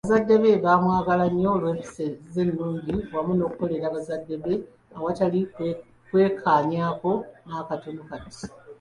Bazadde be baamwagala nnyo olw’empisa ze ennungi wamu n'okukolera bazadde be awatali kwekaanyaako n’akatono kati.